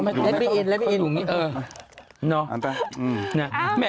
แม่ช่วงที่เผลอหรอเถอะ